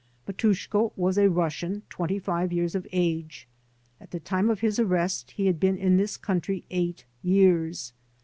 Matushko was a Russian twenty five years of age. At the time of his arrest he had been in this country eight years.